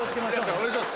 お願いします。